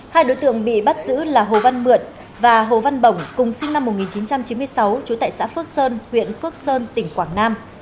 hai đối tượng bị bắt giữ là hồ văn mượn và hồ văn bổng cùng sinh năm một nghìn chín trăm chín mươi sáu trú tại xã phước sơn huyện phước sơn tỉnh quảng nam